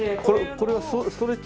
これはストレッチ？